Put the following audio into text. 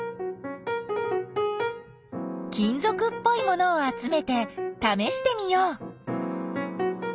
金ぞくっぽいものをあつめてためしてみよう。